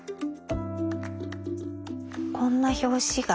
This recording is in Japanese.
こんな表紙が。